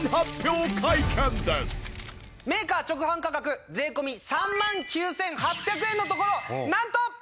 メーカー直販価格税込３万９８００円のところなんと。